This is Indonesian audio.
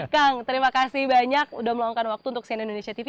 kang terima kasih banyak sudah meluangkan waktu untuk siena indonesia tv